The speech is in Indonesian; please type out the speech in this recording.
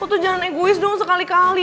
aku tuh jangan egois dong sekali kali